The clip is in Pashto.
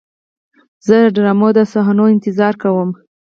زه د ډرامو د صحنو انتظار کوم.